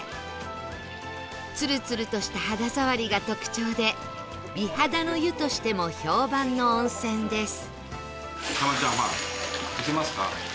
ツルツルとした肌触りが特徴で美肌の湯としても評判の温泉です